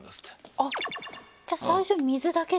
あっじゃあ最初水だけで。